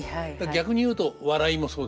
逆に言うと笑いもそうですね。